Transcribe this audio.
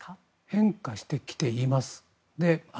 変化してきています。